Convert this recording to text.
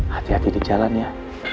hati hati di jalan ya